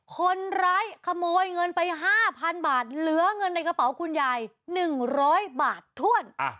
คนร้ายขโมยเงินไป๕๐๐๐บาทเหลือเงินในกระเป๋าคุณยาย๑๐๐บาทถ้วน